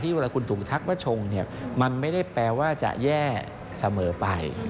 เวลาคุณถูกทักว่าชงมันไม่ได้แปลว่าจะแย่เสมอไป